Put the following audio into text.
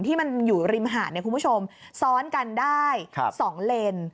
ที่มันอยู่ริมหาดคุณผู้ชมซ้อนกันได้๒เลน